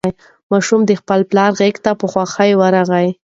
ماشوم د خپل پلار غېږې ته په خوښۍ ورغی.